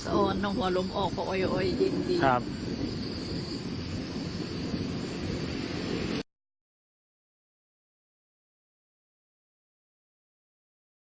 จากโรงสร้างที่รู้สึกอยู่กันที่สิ่งที่ทำให้ประธานการณ์กับทุกคน